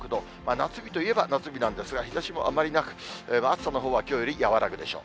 夏日といえば夏日なんですが、日ざしもあまりなく、暑さのほうはきょうより和らぐでしょう。